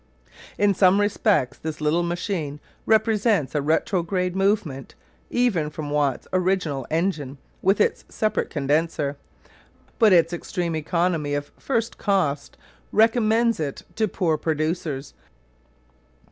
In some respects this little machine represents a retrograde movement, even from Watt's original engine with its separate condenser; but its extreme economy of first cost recommends it to poor producers.